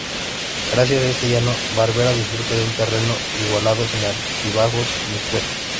Gracias a este llano, Barberá disfruta de un terreno igualado sin altibajos ni cuestas.